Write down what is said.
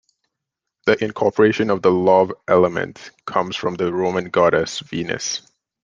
The incorporation of the "love element" comes from the Roman goddess Venus.